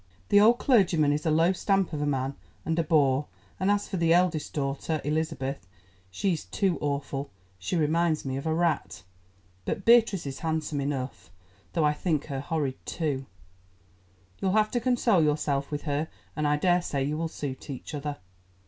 The old clergyman is a low stamp of man, and a bore, and as for the eldest daughter, Elizabeth, she's too awful—she reminds me of a rat. But Beatrice is handsome enough, though I think her horrid too. You'll have to console yourself with her, and I daresay you will suit each other."